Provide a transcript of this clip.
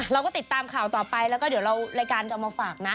เราก็ติดตามข่าวต่อไปแล้วก็เดี๋ยวรายการจะเอามาฝากนะ